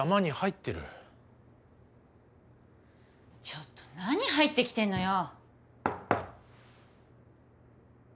ちょっと何入ってきてんのよ！